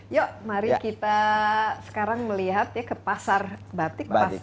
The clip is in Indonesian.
yuk mari kita sekarang melihat ya ke pasar batik